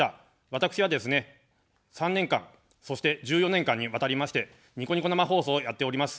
私はですね、３年間、そして１４年間にわたりましてニコニコ生放送をやっております。